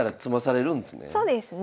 そうですね。